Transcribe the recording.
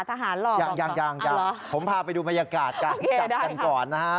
ทหารหล่อบอกต่อยังยังยังอ่าเหรอผมพาไปดูบรรยากาศกับกันก่อนนะฮะ